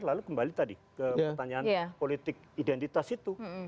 lalu kembali tadi ke pertanyaan politik identitas itu